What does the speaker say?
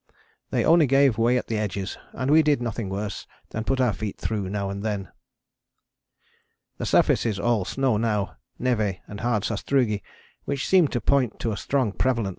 They only gave way at the edges, and we did nothing worse than put our feet through now and then. The surface is all snow now, névé and hard sastrugi, which seem to point to a strong prevalent S.